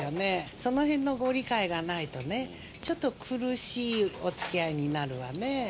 そのへんのご理解がないとね、ちょっと苦しいおつきあいになるわね。